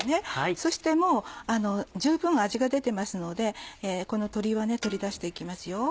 そしてもう十分味が出てますのでこの鶏は取り出して行きますよ。